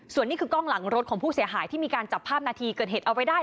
ส่วนนี้คือกล้องหลังรถของผู้เสียหายที่มีการจับภาพนาทีเกิดเหตุเอาไว้ได้